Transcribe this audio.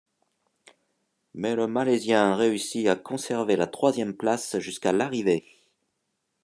Mais le Malaisien réussit à conserver la troisième place jusqu'à l'arrivée.